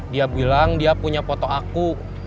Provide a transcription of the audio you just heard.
dia bilang dia punya foto aku